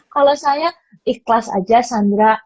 kalau saya ikhlas aja sandra